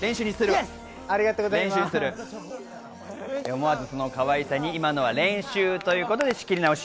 思わず、そのかわいさに今のは練習ということで仕切り直し。